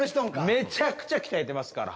めちゃくちゃ鍛えてますから。